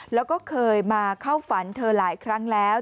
แล้วก็เคยมาเข้าฝันเธอหลายครั้งแล้ว